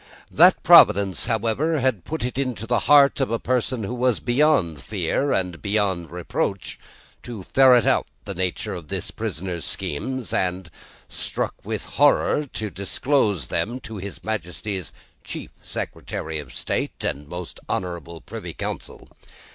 That Providence, however, had put it into the heart of a person who was beyond fear and beyond reproach, to ferret out the nature of the prisoner's schemes, and, struck with horror, to disclose them to his Majesty's Chief Secretary of State and most honourable Privy Council.